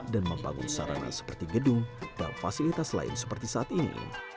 dan membangun sarana seperti gedung dan fasilitas lain seperti saat ini